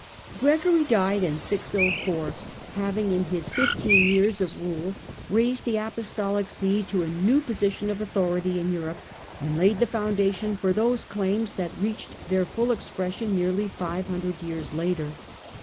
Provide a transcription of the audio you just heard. The Gregory died in 604, having, in his fifteen years of fhe P re C v y enth rule, raised the "Apostolic See" to a new position of century au thority in Europe, and laid the foundation for those claims that reached their full expression nearly five hundred years later.